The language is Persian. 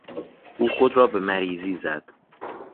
او خود را به مریضی زد.